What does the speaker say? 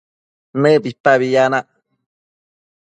nëbipabi yanac